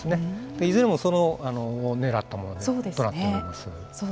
いずれも、それをねらったものとなっております。